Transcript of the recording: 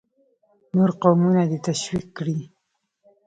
نور قومونه دې ته تشویق کړي.